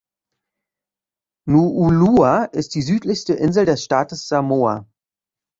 Nuʻulua ist die südlichste Insel des Staates Samoa.